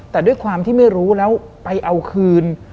แต่ด้วยความที่ไม่รู้แล้วไปเอาคืน